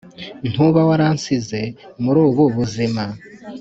Ntuba waransize muri ubu buzima